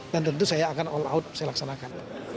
dan tentu saya akan all out saya laksanakan